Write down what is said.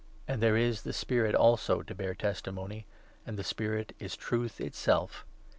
And there is the Spirit also to bear testimony, and the Spirit is Truth itself.